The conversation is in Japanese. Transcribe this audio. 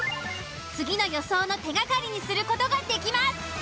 次の予想の手がかりにする事ができます。